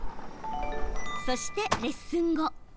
そして、レッスン後。